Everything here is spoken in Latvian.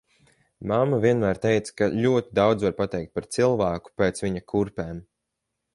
Mamma vienmēr teica, ka ļoti daudz var pateikt par cilvēku pēc viņa kurpēm.